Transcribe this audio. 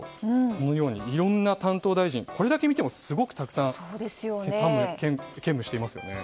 このようにいろんな担当大臣これだけ見ても、すごくたくさん兼務していますよね。